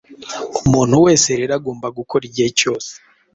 Umuntu wese rero agomba gukora igihe cyose